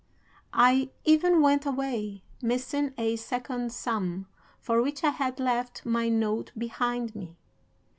I even went away missing a second sum, for which I had left my note behind me.